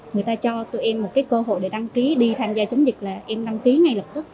người ta cho tụi em một cái cơ hội để đăng ký đi tham gia chống dịch là em đăng ký ngay lập tức